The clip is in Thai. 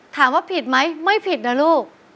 ถามว่าผิดไหมไม่ผิดนะลูก